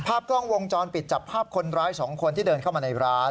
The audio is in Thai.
ภาพกล้องวงจรปิดจับภาพคนร้าย๒คนที่เดินเข้ามาในร้าน